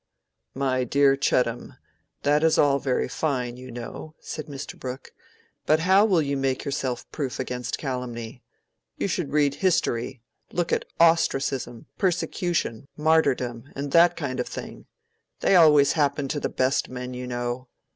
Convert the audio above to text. "My dear Chettam, that is all very fine, you know," said Mr. Brooke. "But how will you make yourself proof against calumny? You should read history—look at ostracism, persecution, martyrdom, and that kind of thing. They always happen to the best men, you know.